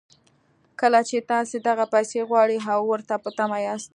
کله چې تاسې دغه پيسې غواړئ او ورته په تمه ياست.